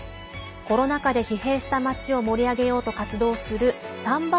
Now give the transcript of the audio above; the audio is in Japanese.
コロナ禍で疲弊した街を盛り上げようと活動するサンバ